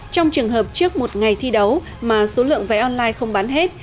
trong trường hợp trước một ngày thi đấu mà số lượng vé online không bán hết